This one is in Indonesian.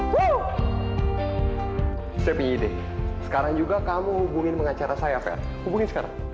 saya punya ide sekarang juga kamu hubungin pengacara saya pak hubungin sekarang